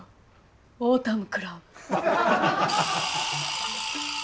オータムクラブ。